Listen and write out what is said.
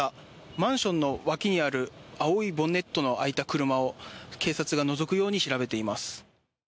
マンションの脇にある青いボンネットの開いた車を警察がのぞくように調べています。